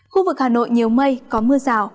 khu vực hà nội nhiều mây có mưa rào